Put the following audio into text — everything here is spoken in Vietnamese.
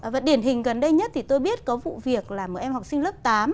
và điển hình gần đây nhất thì tôi biết có vụ việc là một em học sinh lớp tám